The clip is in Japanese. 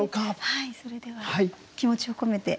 はいそれでは気持ちを込めて。